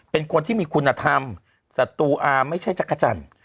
เป็นคนที่มีคุณธรรมศัตรูอาร์ไม่ใช่จักรจันทร์